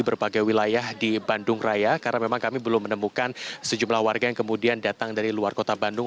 berbagai wilayah di bandung raya karena memang kami belum menemukan sejumlah warga yang kemudian datang dari luar kota bandung